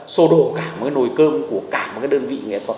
sồ đổ cả một cái nồi cơm của cả một cái đơn vị nghệ thuật